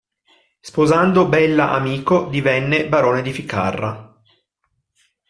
Sposando Bella Amico divenne barone di Ficarra.